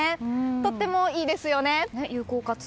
とてもいいですよね。